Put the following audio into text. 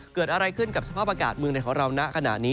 เกิดอะไรขึ้นกับสภาพอากาศเมืองในของเราณขณะนี้